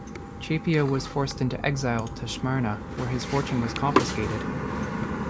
Caepio was forced into exile to Smyrna, while his fortune was confiscated.